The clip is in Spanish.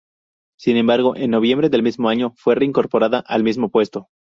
Sin embargo, en noviembre del mismo año fue reincorporada al mismo puesto.